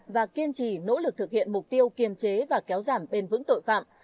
và kiên trì nỗ lực thực hiện mục tiêu kiềm chế và kéo giảm bền vững tội phạm